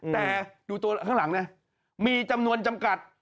แต่ดูตัวข้างหลังนะมีจำนวนจำกัด